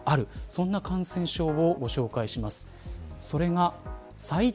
そんな感染症をご紹介します。